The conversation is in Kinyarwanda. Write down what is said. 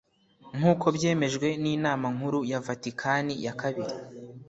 nk’uko byemejwe n’inama nkuru ya Vatikani ya kabiri